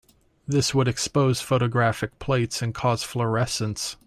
This would expose photographic plates and cause fluorescence.